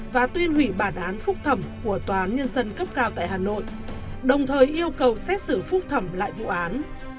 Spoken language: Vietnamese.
và tuyên hủy bản án phúc thẩm của tòa án nhân dân cấp cao tại hà nội đồng thời yêu cầu xét xử phúc thẩm lại vụ án